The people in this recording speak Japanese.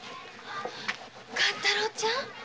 勘太郎ちゃん？